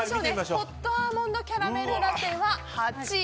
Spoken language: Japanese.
ホットアーモンドキャラメルラテは８位。